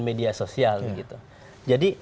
media sosial gitu jadi